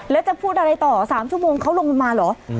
แล้วจะพูดอะไรต่อ๓ชั่วโมงเขาลงมาเหรอ